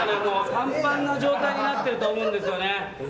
ぱんぱんな状態になってると思うんですよね。